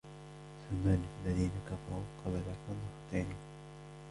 فمال الذين كفروا قبلك مهطعين